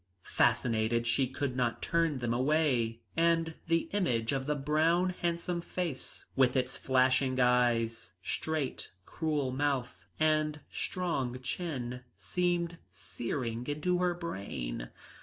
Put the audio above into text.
Fascinated she could not turn them away, and the image of the brown, handsome face with its flashing eyes, straight, cruel mouth and strong chin seemed searing into her brain.